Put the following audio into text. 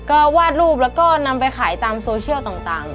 ก็วาดรูปแล้วก็นำไปขายตามโซเชียลต่าง